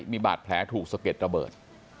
มีบาดแผลถูกสะเก็ดระเบิด